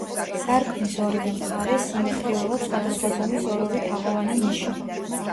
სარკმლის ორივე მხარეს, სიმეტრიულად, სხვადასხვა ზომის ორ-ორი თაღოვანი ნიში.